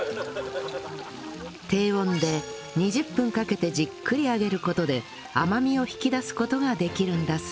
低温で２０分かけてじっくり揚げる事で甘みを引き出す事ができるんだそう